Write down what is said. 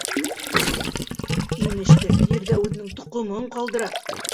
Имештер, ерҙә үҙенең тоҡомон ҡалдыра!..